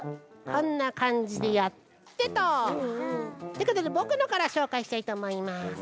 こんなかんじでやってと。ってことでぼくのからしょうかいしたいとおもいます。